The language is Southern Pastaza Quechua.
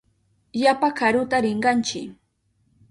Yapa karuta rinkanchi.